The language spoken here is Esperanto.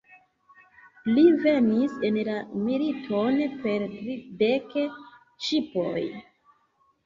Li venis en la militon per tridek ŝipoj.